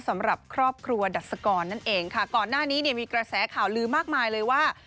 สำหรับครอบครัวดัชกรนั่นเองค่ะก่อนหน้านี้เนี่ยมีกระแสข่าวลือมากมายเลยว่า